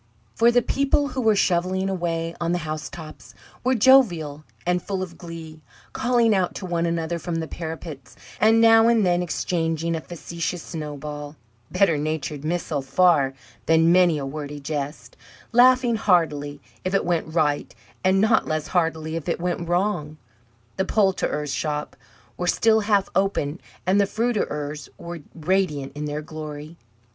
For the people who were shovelling away on the housetops were jovial and full of glee, calling out to one another from the parapets, and now and then exchanging a facetious snowball better natured missile far than many a wordy jest laughing heartily if it went right, and not less heartily if it went wrong. The poulterers' shops were still half open, and the fruiterers' were radiant in their glory.